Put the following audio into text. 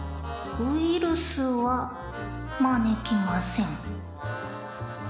ウイルスはまねきません。